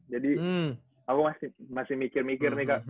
aku masih mikir mikir nih kak